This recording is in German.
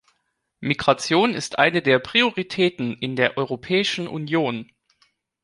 Migration ist eine der Prioritäten in der Europäischen Union.